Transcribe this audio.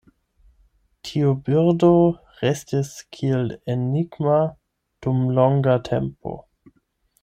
Tiu birdo restis kiel enigma dum longa tempo.